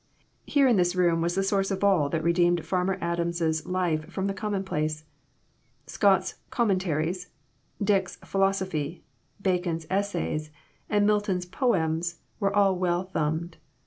Here in this room was the source of all that redeemed Farmer Adams' life from the commonplace. Scott's "Commentaries," Dick's "Philosophy," Bacon's "Essays," and Milton's "Poems" were all well thumbed.